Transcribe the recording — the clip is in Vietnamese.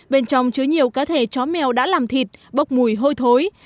bên trong chứa nhiều cá thể chó mèo đã làm thịt bốc mùi hôi thối